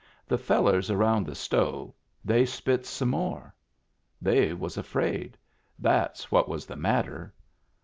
The fellars around the stove they spits some more. They was afraid. That's what was the matter.